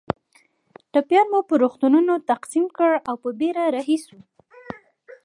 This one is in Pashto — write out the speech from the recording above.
ټپیان مو پر روغتونونو تقسیم کړل او په بېړه رهي شوو.